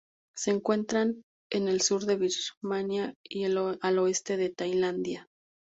Se encuentran en el sur de Birmania y al oeste de Tailandia.